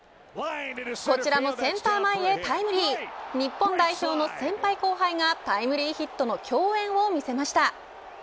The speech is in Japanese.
こちらもセンター前へタイムリー日本代表の先輩後輩がタイムリーヒットの共演を見せました。